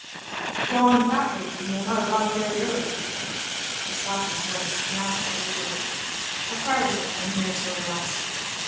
"If you go on at that rate you will not arrive very early." He stopped his horse, and asked the laborer:— "How far is it from here to Arras?"